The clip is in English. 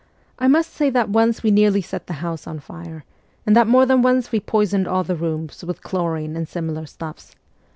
I must say that once we nearly set the house on fire, and that more than once we poisoned all the rooms with chlorine and similar stuffs.